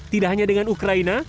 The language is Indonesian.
tidak hanya dengan ukraina